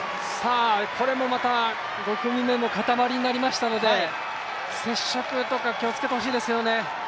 これもまた、５組目も固まりになりましたので接触とか気をつけてほしいですよね。